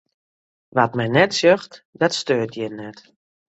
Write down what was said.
Wat men net sjocht, dat steurt jin net.